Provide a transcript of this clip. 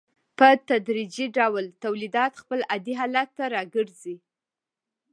په تدریجي ډول تولیدات خپل عادي حالت ته راګرځي